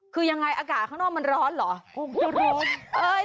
คือยังไงอากาศข้างนอกมันร้อนเหรอ